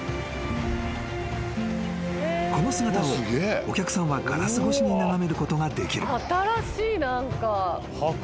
［この姿をお客さんはガラス越しに眺めることができる］